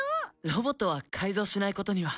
ロボットは改造しないことには。